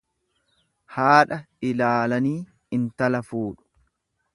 Haadha ilaalanii intala fuudhu.